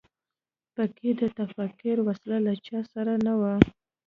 په کې د تکفیر وسله له چا سره نه وي.